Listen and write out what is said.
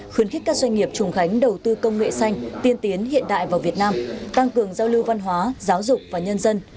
khuyến khích các doanh nghiệp trùng khánh đầu tư công nghệ xanh tiên tiến hiện đại vào việt nam tăng cường giao lưu văn hóa giáo dục và nhân dân